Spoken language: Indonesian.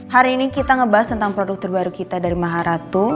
hari ini kita ngebahas tentang produk terbaru kita dari maharatu